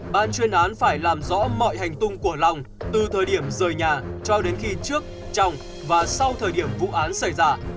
ban chuyên án phải làm rõ mọi hành tung của lòng từ thời điểm rời nhà cho đến khi trước trong và sau thời điểm vụ án xảy ra